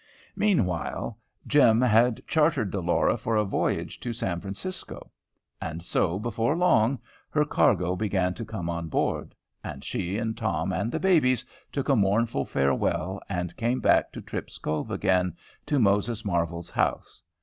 Meanwhile Jem had chartered the "Laura" for a voyage to San Francisco. And so, before long, her cargo began to come on board; and she and Tom and the babies took a mournful farewell, and came back to Tripp's Cove again, to Moses Marvel's house.